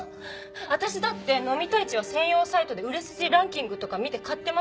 私だって飲みたい血は専用サイトで売れ筋ランキングとか見て買ってます。